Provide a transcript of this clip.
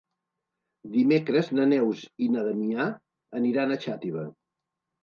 Dimecres na Neus i na Damià aniran a Xàtiva.